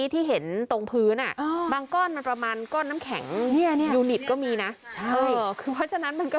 มีประชาชนในพื้นที่เขาถ่ายคลิปเอาไว้ได้ค่ะ